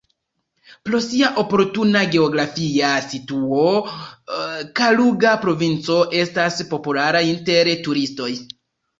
Pro sia oportuna geografia situo Kaluga provinco estas populara inter turistoj.